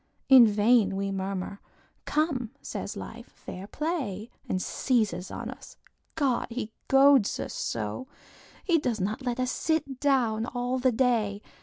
In vain we murmur; "Come," Life says, "Fair play!" And seizes on us. God! he goads us so! He does not let us sit down all the day.